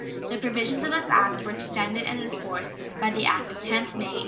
The provisions of this act were extended and enforced by the act of 10th May, 1800.